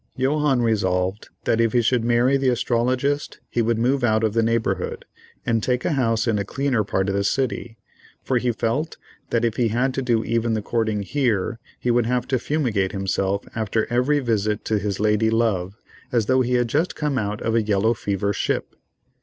Johannes, resolved that if he should marry the astrologist he would move out of the neighborhood, and take a house in a cleaner part of the city, for he felt that if he had to do even the courting here, he would have to fumigate himself after every visit to his lady love as though he had just come out of a yellow fever ship.